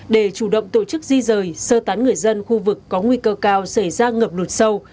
để chủ động tổ chức di rời sơ tán người dân khu vực có nguy cơ cao xảy ra ngập lụt sâu